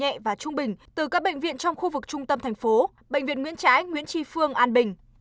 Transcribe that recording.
nhẹ và trung bình từ các bệnh viện trong khu vực trung tâm thành phố bệnh viện nguyễn trãi nguyễn tri phương an bình